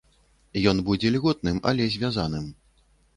Ён будзе льготным, але звязаным.